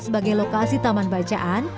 sebagai lokasi taman bacaan